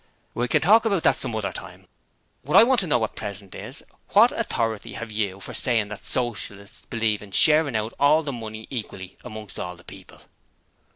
'We can talk about that some other time. What I want to know at present is what authority have you for saying that Socialists believe in sharing out all the money equally amongst all the people?'